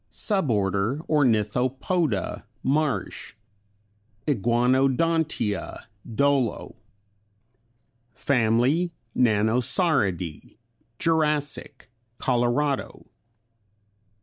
Suborder Ornithopoda Marsh (Iguanodontia Dollo) Fam. Nanosauridæ Jurassic, Colorado.